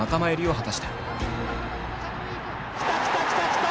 来た来た来た来た！